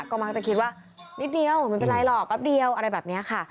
ก็มักจะคิดว่านิดเดียวไม่เป็นไรหรอกแป๊บเดียวอะไรแบบนี้ค่ะ